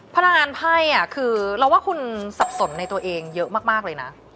พลังงานไพ่คือเราว่าคุณสับสนในตัวเองเยอะมากเลยนะ